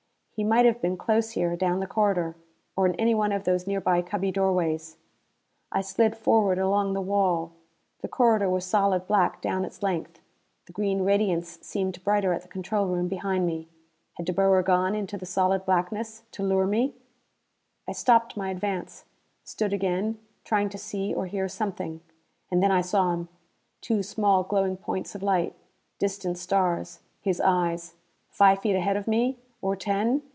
He might have been close here down the corridor. Or in any one of these nearby cubby doorways. I slid forward along the wall. The corridor was solid black down its length: the green radiance seemed brighter at the control room behind me. Had De Boer gone into this solid blackness, to lure me? I stopped my advance. Stood again, trying to see or hear something. And then I saw him! Two small glowing points of light. Distant stars. His eyes! Five feet ahead of me? Or ten?